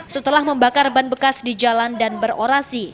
setelah membakar ban bekas di jalan dan berorasi